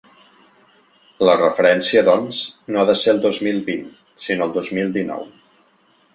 La referència, doncs, no ha de ser el dos mil vint, sinó el dos mil dinou.